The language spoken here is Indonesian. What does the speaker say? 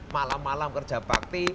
malam malam kerja parti